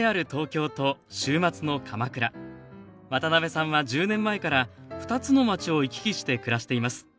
渡辺さんは１０年前から２つの町を行き来して暮らしています。